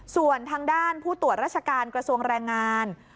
ส่วนทางด้านผู้ตรวจราชการกระทรวงแรงงาน